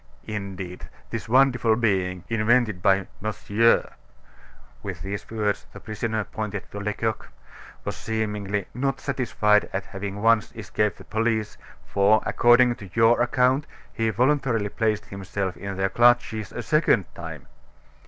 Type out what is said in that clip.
Indeed, this wonderful being invented by Monsieur" (with these words the prisoner pointed to Lecoq) "was seemingly not satisfied at having once escaped the police, for, according to your account, he voluntarily placed himself in their clutches a second time.